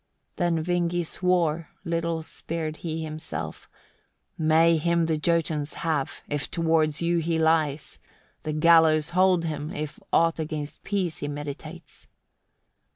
31. Then Vingi swore, little spared he himself: "May him the Jotuns have, if towards you he lies! the gallows hold him, if aught against peace he meditates!"